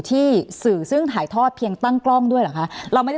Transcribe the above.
ที่สื่อซึ่งถ่ายทอดเพียงตั้งกล้องด้วยเหรอคะเราไม่ได้